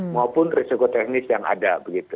maupun risiko teknis yang ada